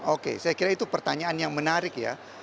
oke saya kira itu pertanyaan yang menarik ya